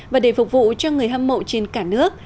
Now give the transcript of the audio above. và để phục vụ cho người hâm mộ trên cả nước